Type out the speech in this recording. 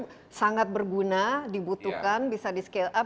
dan produknya itu sangat berguna dibutuhkan bisa di scale up